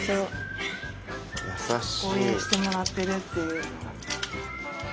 応援してもらってるっていう。